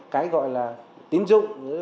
cái gọi là tín dụng